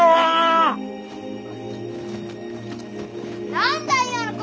何だ今の声。